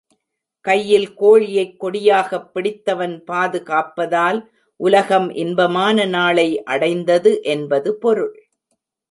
கையில் கோழியைக் கொடியாகப் பிடித்தவன் பாதுகாப்பதால் உலகம் இன்பமான நாளை அடைந்தது என்பது பொருள்.